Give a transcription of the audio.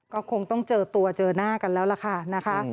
ก็คงต้องเจอตัวเจอหน้ากันแล้วล่ะค่ะนะคะ